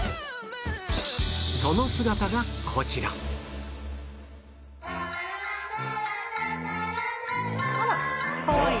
その姿がこちらあらかわいい。